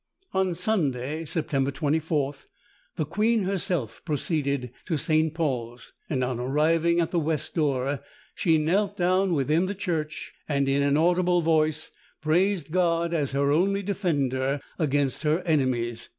On Sunday, September 24th, the queen herself proceeded to St. Paul's, and on arriving at the west door, she knelt down within the church, and in an audible voice praised God as her only defender against her enemies.